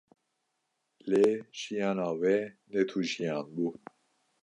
Lê jiyana wê ne tu jiyan bû